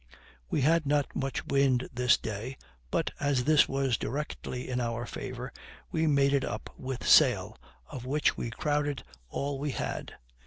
We had not much wind this day; but, as this was directly in our favor, we made it up with sail, of which we crowded all we had.